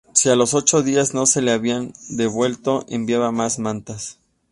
Si a los ocho días no se la habían devuelto, enviaba más mantas.